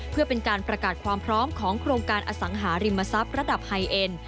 เพื่อเป็นการประกาศความพร้อมของโครงการอสังหาริมทรัพย์ระดับไฮเอ็น